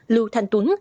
lưu thanh tuấn